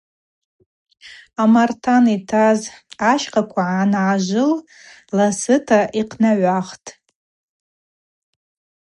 Амартан йтаз ащхаква ангӏажвыл ласыта йхънагӏвахтӏ.